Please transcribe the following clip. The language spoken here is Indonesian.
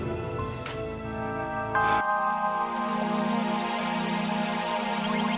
jika saya jatuh dewasa juga saham lalu